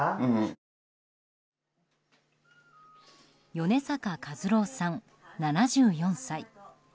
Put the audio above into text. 米坂和郎さん、７４歳。